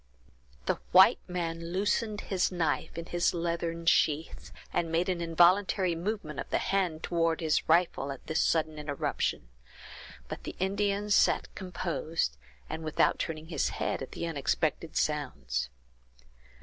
The white man loosened his knife in his leathern sheath, and made an involuntary movement of the hand toward his rifle, at this sudden interruption; but the Indian sat composed, and without turning his head at the unexpected sounds.